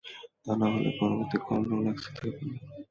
তা নাহলে পরবর্তী কল রোলেক্সের থেকে পাবে।